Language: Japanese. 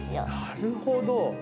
なるほど。